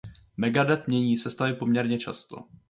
Megadeth mění sestavy poměrně často.